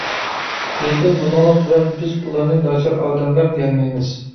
لېكىن بۇنىڭلىق بىلەن بىز ئۇلارنى ناچار ئادەملەر دېيەلمەيمىز.